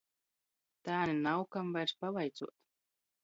Tān i nav kam vairs pavaicuot.